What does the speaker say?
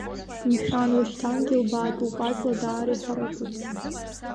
Мшәан, уашьҭангьы илбаатәуп, аҵла даара иҳаракуп.